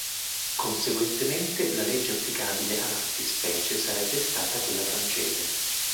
Conseguentemente la legge applicabile alla fattispecie sarebbe stata quella francese.